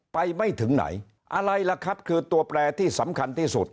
ไม่ถึงไหนอะไรล่ะครับคือตัวแปรที่สำคัญที่สุด